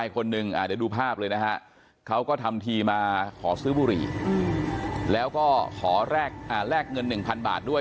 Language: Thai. เขาทำทีมาขอซื้อบุหรี่แล้วก็แข้งเงิน๑๐๐๐บาทด้วย